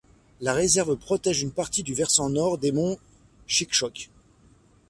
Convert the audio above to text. La réserve protège une partie du versant nord des monts Chic-Chocs.